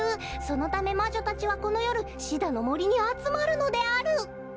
そのため魔女たちはこのよるシダのもりにあつまるのである」。